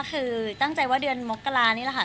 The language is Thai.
คือตั้งใจว่าเดือนมกรานี่แหละค่ะ